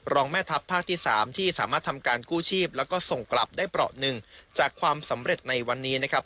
แม่ทัพภาคที่๓ที่สามารถทำการกู้ชีพแล้วก็ส่งกลับได้เปราะหนึ่งจากความสำเร็จในวันนี้นะครับ